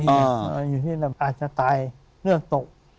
อยู่ที่นั่นอาจจะตายเลือดตก